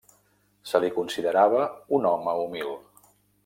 Se li considerava un home humil.